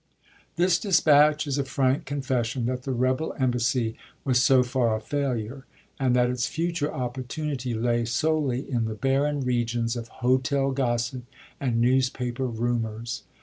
This dispatch is a frank confession that the rebel embassy was so far a failure, and that its future opportunity lay solely in the barren regions of hotel gossip and newspaper rumors.